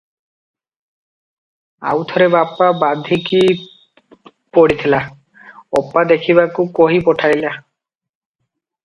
ଆଉ ଥରେ ବାପା ବାଧିକି ପଡ଼ିଥିଲା, ଅପା ଦେଖିବାକୁ କହି ପଠାଇଲା ।